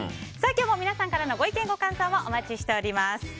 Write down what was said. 今日も皆様からのご意見ご感想をお待ちしております。